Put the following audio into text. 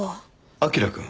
彬くん？